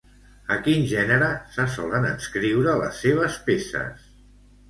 A quin gènere se solen adscriure les seves peces?